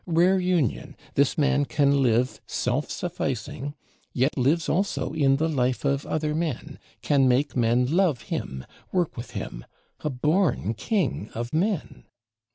Rare union: this man can live self sufficing yet lives also in the life of other men; can make men love him, work with him; a born king of men!